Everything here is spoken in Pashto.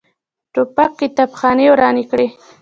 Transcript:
توپک کتابخانې ورانې کړي.